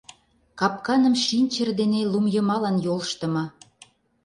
Капканым шинчыр дене лум йымалан йолыштымо.